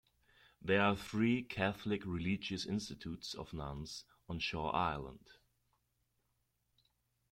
There are three Catholic religious institutes of nuns on Shaw Island.